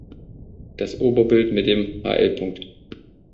Das Oberbild mit dem "hl.